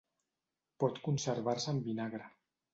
Pot conservar-se en vinagre.